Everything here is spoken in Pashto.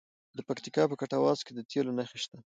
د پکتیکا په کټواز کې د تیلو نښې شته.